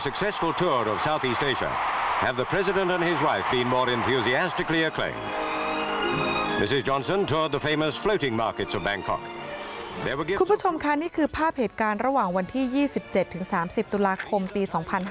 คุณผู้ชมค่ะนี่คือภาพเหตุการณ์ระหว่างวันที่๒๗๓๐ตุลาคมปี๒๕๕๙